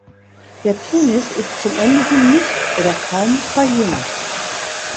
Der Penis ist zum Ende hin nicht oder kaum verjüngt.